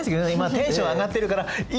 テンション上がってるから今！